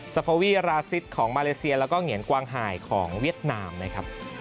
สโควี่ราซิสของมาเลเซียแล้วก็เหงียนกวางหายของเวียดนามนะครับ